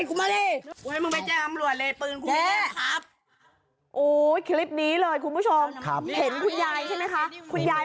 คุณยายเมื่อกี้ที่ลองมาทำอะไรนะ